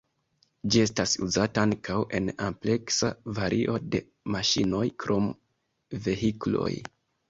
Ĝi estas uzata ankaŭ en ampleksa vario de maŝinoj krom vehikloj.